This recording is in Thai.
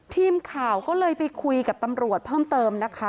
ทีมข่าวก็เลยไปคุยกับตำรวจเพิ่มเติมนะคะ